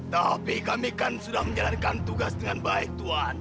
tapi kami kan sudah menjalankan tugas dengan baik tuhan